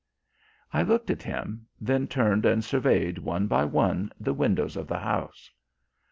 I looked at him, then turned and surveyed one by one the windows of the house.